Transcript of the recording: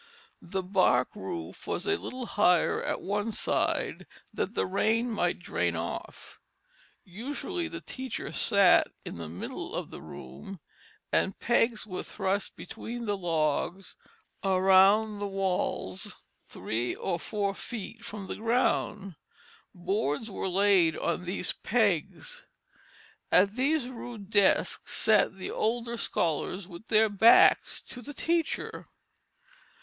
The bark roof was a little higher at one side that the rain might drain off. Usually the teacher sat in the middle of the room, and pegs were thrust between the logs around the walls, three or four feet from the ground; boards were laid on these pegs; at these rude desks sat the older scholars with their backs to the teacher.